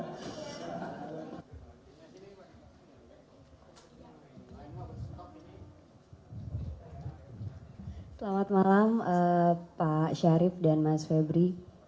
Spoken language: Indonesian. selamat malam pak syarif dan mas febri